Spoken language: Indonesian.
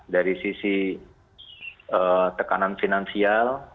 dari sisi tekanan finansial